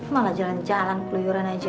malah jalan jalan keliuran aja